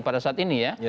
pada saat ini ya